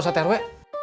siap pak saterwe